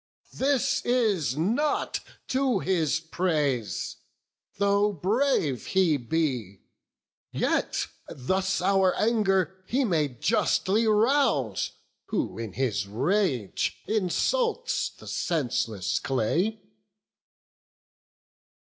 This is not to his praise; though brave he be, Yet thus our anger he may justly rouse, Who in his rage insults the senseless clay."